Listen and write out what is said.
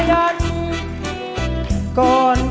หมอยังไงครับ